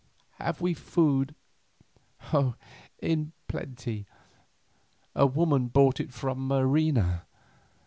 Have we food?" "In plenty. A woman brought it from Marina."